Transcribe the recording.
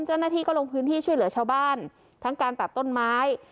เจ้าหน้าที่ก็ลงพื้นที่ช่วยเหลือชาวบ้านทั้งการตัดต้นไม้